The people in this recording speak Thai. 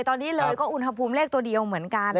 ตอนนี้เลยก็อุณหภูมิเลขตัวเดียวเหมือนกัน